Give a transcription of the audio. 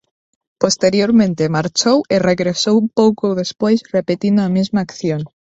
Posteriormente marchou e regresou pouco despois repetindo a mesma acción.